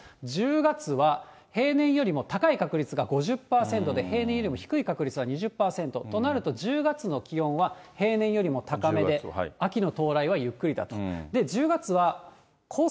１０月は、平年よりも高い確率が５０％で、平年よりも低い確率が２０％、となると、１０月の気温は平年よりも高めで、秋の到来はゆっくりだと。